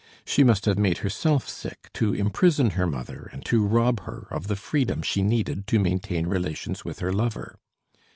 She must have made herself sick to imprison her mother and to rob her of the freedom she needed to maintain relations with her lover.